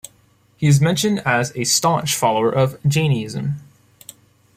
He is mentioned as a staunch follower of Jainism.